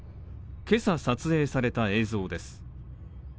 今朝撮影された映像です。